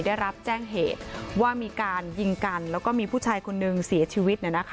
ได้รับแจ้งเหตุว่ามีการยิงกันแล้วก็มีผู้ชายคนนึงเสียชีวิต